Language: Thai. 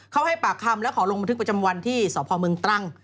เขาให้ปากคำและขอลงบันทึกประจำวันที่สพเมืองตรัง